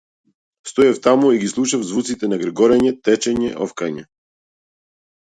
Стоев таму и ги слушав звуците на гргорење, течење, офкање.